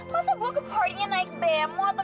masa gue ke party nya naik bmo atau metro mini gak mungkin